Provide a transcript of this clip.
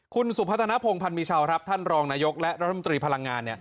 คุณสุพธนพงศ์พันมีเช่าท่านรองนายกและรัฐมนตรีพลังงา